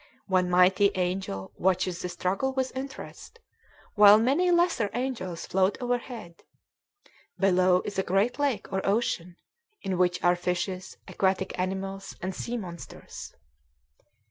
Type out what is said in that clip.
One mighty angel watches the struggle with interest, while many lesser angels float overhead. Below is a great lake or ocean, in which are fishes, aquatic animals, and sea monsters.